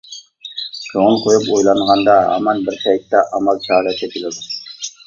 كۆڭۈل قويۇپ ئويلانغاندا ھامان بىر پەيتتە ئامال-چارە تېپىلىدۇ.